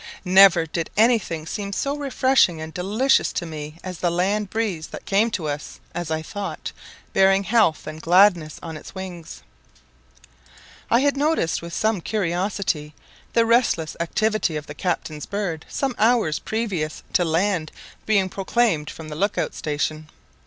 Never did any thing seem so refreshing and delicious to me as the land breeze that came to us, as I thought, bearing health and gladness on its wings. I had noticed with some curiosity the restless activity of the captain's bird some hours previous to "land" being proclaimed from the look out station.